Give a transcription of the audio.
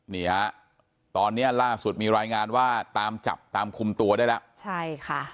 นี่ฮะตอนเนี้ยล่าสุดมีรายงานว่าตามจับตามคุมตัวได้แล้วใช่ค่ะ